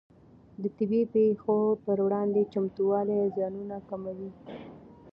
د طبیعي پېښو پر وړاندې چمتووالی زیانونه کموي.